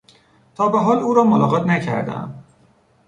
تا بحال او را ملاقات نکردهام.